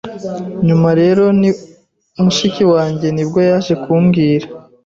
Nyuma rero mushiki wanjye nibwo yaje kubwira